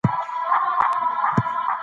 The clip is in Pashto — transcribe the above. باید یوازې د حق لپاره وکارول شي.